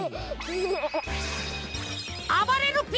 あばれるＰ！